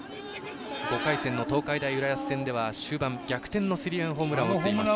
５回戦の東海大浦安戦では終盤に逆転のホームランを打っています。